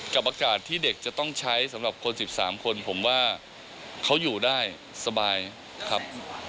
กับอากาศที่เด็กจะต้องใช้สำหรับคน๑๓คนผมว่าเขาอยู่ได้สบายครับ